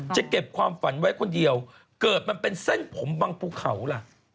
จะเก็บความฝันไว้คนเดียวเกิดมันเป็นเส้นผมบังภูเขาล่ะ